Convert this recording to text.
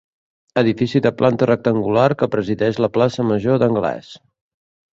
Edifici de planta rectangular que presideix la Plaça Major d'Anglès.